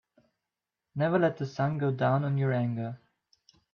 Never let the sun go down on your anger.